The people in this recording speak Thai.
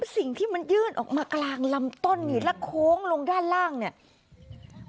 สิ่งที่มันยื่นออกมากลางลำต้นนี่แล้วโค้งลงด้านล่างเนี่ย